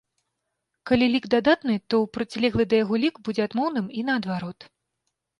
Калі лік дадатны, то процілеглы да яго лік будзе адмоўным, і наадварот.